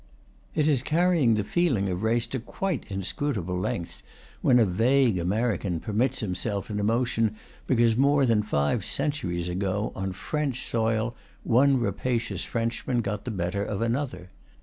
It is carrying the feeling of race to quite inscrutable lengths when a vague American permits himself an emotion because more than five centuries ago, on French soil, one rapacious Frenchman got the better of another.